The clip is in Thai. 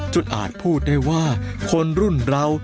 อาจพูดได้ว่าคนรุ่นเรา